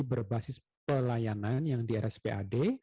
berbasis pelayanan yang di rspad